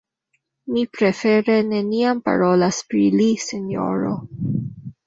Mi prefere neniam parolas pri li, sinjoro.